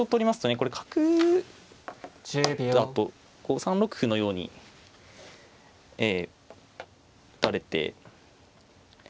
これ角だと３六歩のように打たれて。